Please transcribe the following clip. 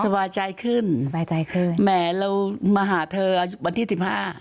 สบายใจขึ้นแม่เรามาหาเธอวันที่๑๕